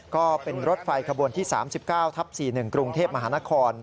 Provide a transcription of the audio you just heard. ก็เป็นรถไฟขบวนที่๓๙ทับ๔๑กรุงเทพมหานคร